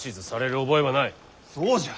そうじゃ。